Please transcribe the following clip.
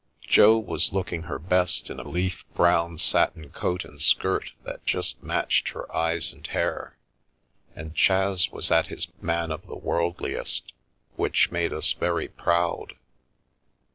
Jo was looking her best in a leaf brown satin coat and skirt that just matched her eyes and hair, and Chas was at his man of the worldliest, which made us very proud.